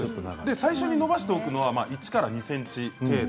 最初に伸ばしておくのは１ｃｍ２ｃｍ程度。